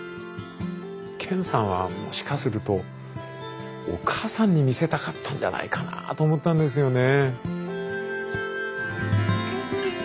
健さんはもしかするとお母さんに見せたかったんじゃないかなと思ったんですよね。